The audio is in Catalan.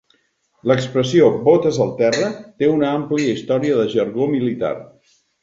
L'expressió "botes al terra" té una àmplia història de jargó militar.